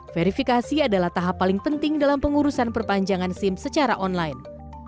verifikasi adalah tahap paling penting dalam pengurusan perpanjangan sim secara online